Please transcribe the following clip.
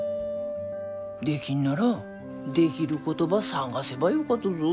できんならできることば探せばよかとぞ。